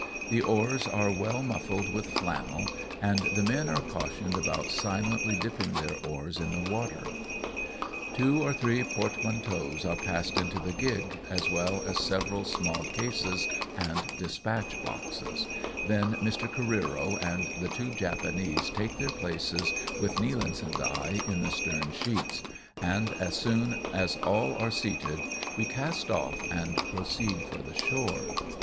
The oars are well mufiBed with flannel, and the men are cautioned about silently dipping their oars in the water. Two or three portmanteaus are passed into the gig, as well as several small cases and dispatch boxes, then Mr. Careero and the two Japanese take their places with Nealance and I in the stern'sheets, and as soon as IV£ SAIL FOR NAGASAKI. 127 all are seated, we cast off and proceed for the shore.